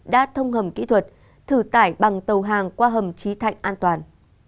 đã thông hầm kỹ thuật thử tải bằng tàu hàng qua hầm trí thạnh an toàn